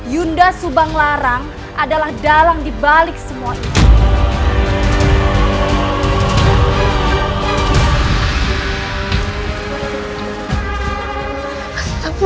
yunda subanglarang adalah dalang dibalik semua ini